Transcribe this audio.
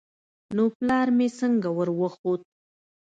نو پلار مې څنگه وروخوت.